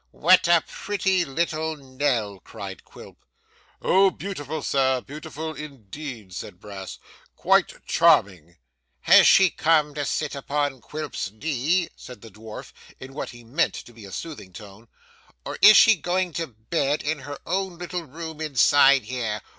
'What a pretty little Nell!' cried Quilp. 'Oh beautiful, sir, beautiful indeed,' said Brass. 'Quite charming.' 'Has she come to sit upon Quilp's knee,' said the dwarf, in what he meant to be a soothing tone, 'or is she going to bed in her own little room inside here?